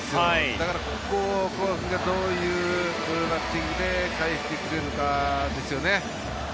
ここは古賀君がどういうバッティングでかえしてくれるかですよね。